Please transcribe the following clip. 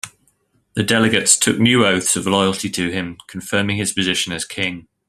The delegates took new oaths of loyalty to him, confirming his position as king.